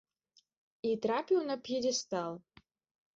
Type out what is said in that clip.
І трапіў на п'едэстал.